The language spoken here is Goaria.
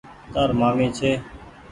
تآر مآمي ڇي۔